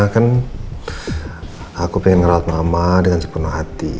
kan aku pengen ngerawat mama dengan sepenuh hati